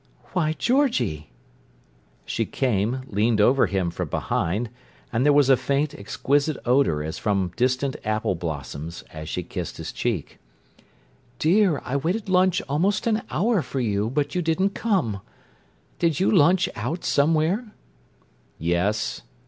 "Why, Georgie!" She came, leaned over from behind him, and there was a faint, exquisite odour as from distant apple blossoms as she kissed his cheek. "Dear, I waited lunch almost an hour for you, but you didn't come! Did you lunch out somewhere?" "Yes."